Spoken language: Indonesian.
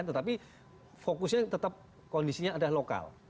tetapi fokusnya tetap kondisinya ada lokal